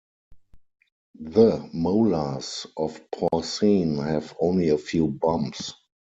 The molars of porcine have only a few bumps.